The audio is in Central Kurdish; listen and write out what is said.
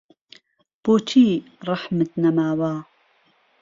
بۆچی ڕەحمت نەماوە